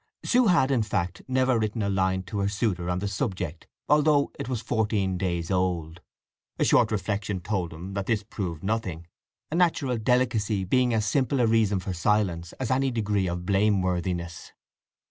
Sue had, in fact, never written a line to her suitor on the subject, although it was fourteen days old. A short reflection told him that this proved nothing, a natural delicacy being as ample a reason for silence as any degree of blameworthiness.